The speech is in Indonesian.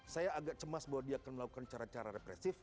saya agak cemas bahwa dia akan melakukan cara cara represif